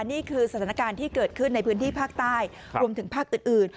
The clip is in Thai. นี่คือสถานการณ์ที่เกิดขึ้นในพื้นที่ภาคใต้รวมถึงภาคอื่น